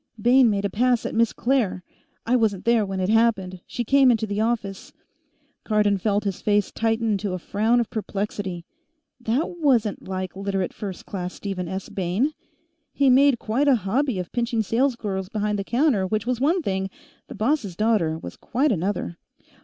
"Bayne made a pass at Miss Claire. I wasn't there when it happened; she came into the office " Cardon felt his face tighten into a frown of perplexity. That wasn't like Literate First Class Stephen S. Bayne. He made quite a hobby of pinching salesgirls behind the counter which was one thing; the boss' daughter was quite another.